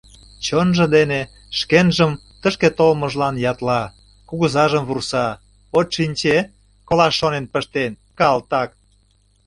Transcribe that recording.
Чонжо дене шкенжым тышке толмыжлан ятла, кугызажым вурса — от шинче, колаш шонен пыштен, калтак!